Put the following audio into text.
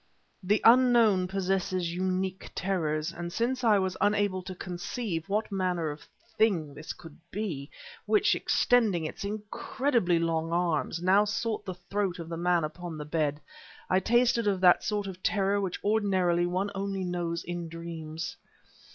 The unknown possesses unique terrors; and since I was unable to conceive what manner of thing this could be, which, extending its incredibly long arms, now sought the throat of the man upon the bed, I tasted of that sort of terror which ordinarily one knows only in dreams.